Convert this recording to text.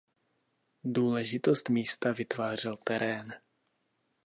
Důležitost místa vytvářel terén.